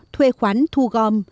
thuê khoán thu gom